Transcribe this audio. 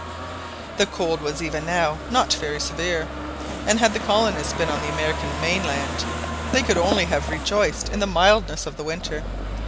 The cold was even now not very severe, and had the colonists been on the American mainland they could only have rejoiced in the mildness of the winter.